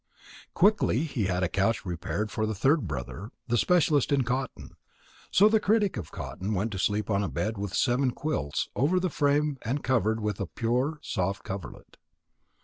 Quickly he had a couch prepared for the third brother, the specialist in cotton. So the critic of cotton went to sleep on a bed with seven quilts over the frame and covered with a pure, soft coverlet.